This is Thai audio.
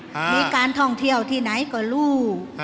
มีการท่องเที่ยวที่ไหนก็รู้